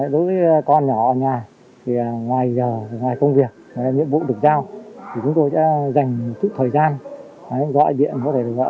đối với con nhỏ ở nhà thì ngoài giờ ngoài công việc nhiệm vụ được giao thì chúng tôi sẽ dành một chút thời gian gọi điện